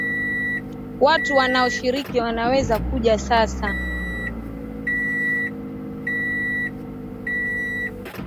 Watu wanao shiriki wanaweza kuja sasa